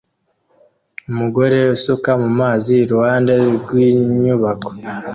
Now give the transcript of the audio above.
Umuhungu usuka mu mazi iruhande rw'inyubako